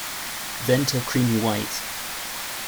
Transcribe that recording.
Venter creamy white.